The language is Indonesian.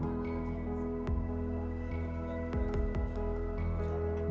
menjadi tour guide bagi para wisatawan